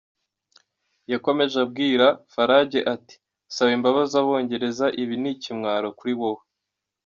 Yakomeje abwira Farage ati “Saba imbabazi Abongereza, ibi ni ikimwaro kuri wowe.